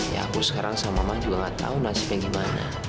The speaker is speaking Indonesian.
ya aku sekarang sama mama juga gak tahu nasibnya gimana